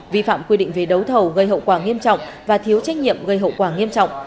vi phạm quy định về đấu thầu gây hậu quả nghiêm trọng và thiếu trách nhiệm gây hậu quả nghiêm trọng